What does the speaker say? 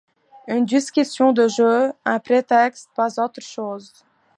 Une discussion de jeu, un prétexte, pas autre chose.